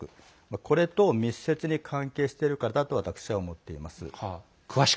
これと密接に関係してるからだと私は思っています。